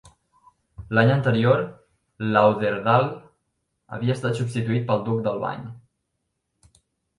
L'any anterior, Lauderdale havia estat substituït pel duc d'Albany.